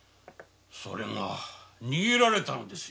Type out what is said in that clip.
それが逃げられたのですよ。